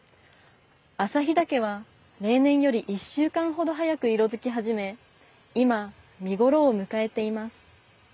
旭岳は、例年より１週間ほど早く色づき始め今、見頃を迎えています。